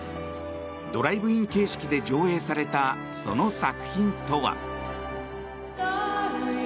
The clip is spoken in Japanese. ドライブイン形式で上映されたその作品とは。